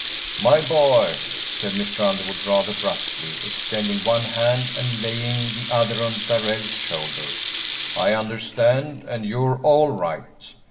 "My boy," said Mr. Underwood, rather brusquely, extending one hand and laying the other on Darrell's shoulder, "I understand, and you're all right.